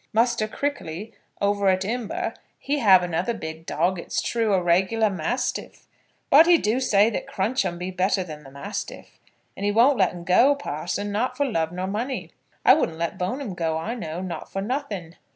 Muster Crickly, over at Imber, he have another big dog it's true, a reg'lar mastiff, but he do say that Crunch'em be better than the mastiff, and he won't let 'un go, parson, not for love nor money. I wouldn't let Bone'm go, I know; not for nothing."